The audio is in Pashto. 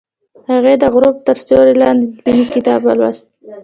هغې د غروب تر سیوري لاندې د مینې کتاب ولوست.